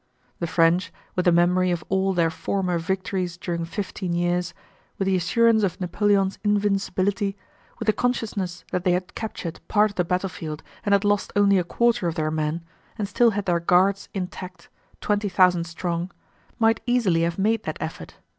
The French, with the memory of all their former victories during fifteen years, with the assurance of Napoleon's invincibility, with the consciousness that they had captured part of the battlefield and had lost only a quarter of their men and still had their Guards intact, twenty thousand strong, might easily have made that effort.